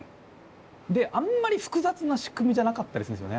であんまり複雑な仕組みじゃなかったりするんすよね